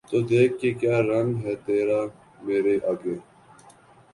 تو دیکھ کہ کیا رنگ ہے تیرا مرے آگے